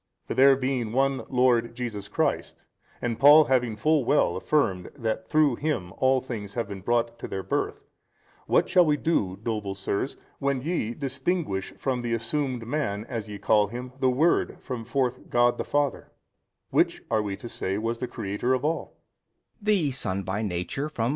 For there being One Lord Jesus Christ and Paul having full well affirmed that through Him all things have been brought to their birth, what shall we do, noble sirs, when ye distinguish from the assumed man as ye call him, the Word from forth God the Father? which are we to say was the Creator of all?